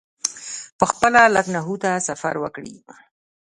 پخپله لکنهو ته سفر وکړي.